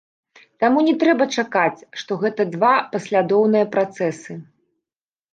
Таму не трэба чакаць, што гэта два паслядоўныя працэсы.